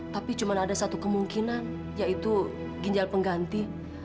tapi cuma ada satu kemungkinan yaitu ginjal pengganti